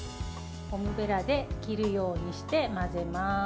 ゴムべらで切るようにして混ぜます。